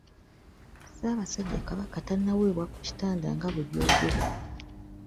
Ssaabasajja Kabaka tannaweebwa ku kitanda nga bwe byogerwa.